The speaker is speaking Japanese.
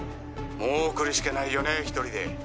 「もう来るしかないよね一人で」